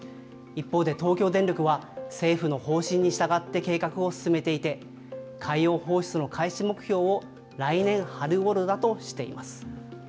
一方で東京電力は、政府の方針に従って計画を進めていて、海洋放出の開始目標を来年春ごろだとしています。